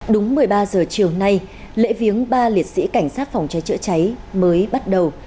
đúng một mươi ba giờ chiều nay lễ viếng ba liệt sĩ cảnh sát phòng cháy chữa cháy mới bắt đầu